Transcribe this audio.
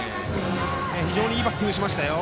非常にいいバッティングしましたよ。